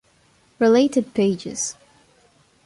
Related Pages